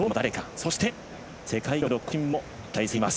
そして世界記録の更新も期待されています。